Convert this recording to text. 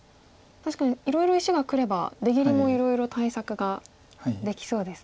確かにいろいろ石がくれば出切りもいろいろ対策ができそうですね。